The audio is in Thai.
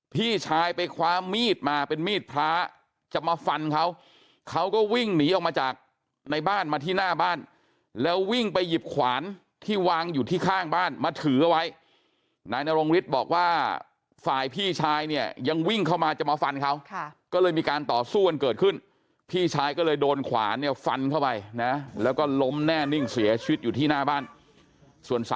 พี่ชายไปคว้ามีดมาเป็นมีดพระจะมาฟันเขาเขาก็วิ่งหนีออกมาจากในบ้านมาที่หน้าบ้านแล้ววิ่งไปหยิบขวานที่วางอยู่ที่ข้างบ้านมาถือเอาไว้นายนรงฤทธิ์บอกว่าฝ่ายพี่ชายเนี่ยยังวิ่งเข้ามาจะมาฟันเขาก็เลยมีการต่อสู้กันเกิดขึ้นพี่ชายก็เลยโดนขวานเนี่ยฟันเข้าไปนะแล้วก็ล้มแน่นิ่งเสียชีวิตอยู่ที่หน้าบ้านส่วน